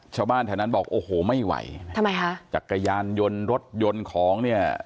ชาวบ้านแถวนั้นบอกโอ้โหไม่ไหวทำไมฮะจักรยานยนต์รถยนต์ของเนี่ย